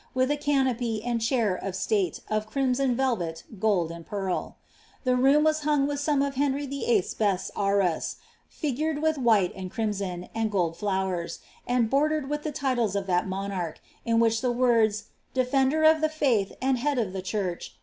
with a canopy and fhaif of stale of crimnon reUet, gold and pearl. The room whs huttg with Borne of Henry VlII.'s be^t arras, ligured with white ami riimsoBf knd gold flowers, and bordered with the tides of that monarch, in wh<«b the words, " Defender of the Faith, and Head of the Chnrch."